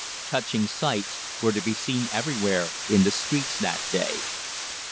Touching sights were to be seen everywhere in the streets that day.